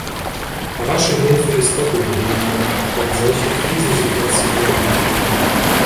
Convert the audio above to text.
Rasche Hilfe ist doppelte Hilfe, wenn solche Krisensituationen eintreten.